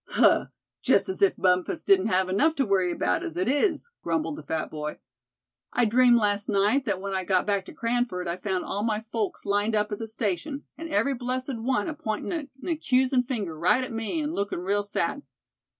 "Huh! just as if Bumpus didn't have enough to worry about as it is," grumbled the fat boy. "I dreamed last night that when I got back to Cranford I found all my folks lined up at the station, and every blessed one apointin' an accusin' finger right at me, an' lookin' real sad.